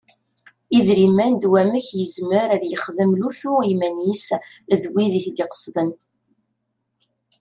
Idrimen d wamek i yezmer ad yexdem lutu i yiman-is d wid i t-id-iqesden.